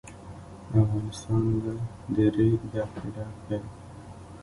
افغانستان له د ریګ دښتې ډک دی.